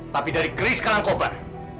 tapi dari keris kalangkobar